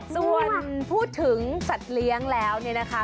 ส่วนพูดถึงสัตว์เลี้ยงแล้วเนี่ยนะคะ